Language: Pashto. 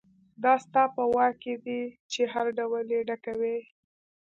دا ستا په واک کې دي چې هر ډول یې ډکوئ.